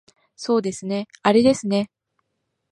そうですねあれですね